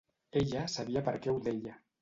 Ella sabia perquè ho deia.